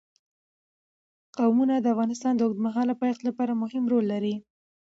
قومونه د افغانستان د اوږدمهاله پایښت لپاره مهم رول لري.